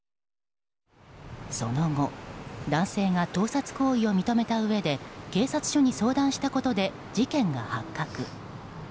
その後、男性が盗撮行為を認めたうえで警察署に相談したことで事件が発覚。